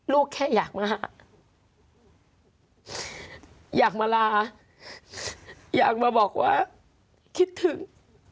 แค่อยากมาอยากมาลาอยากมาบอกว่าคิดถึง